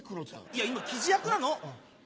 いや今キジ役なの！